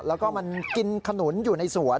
แล้วก็มันกินขนุนอยู่ในสวน